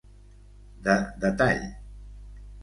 De detall: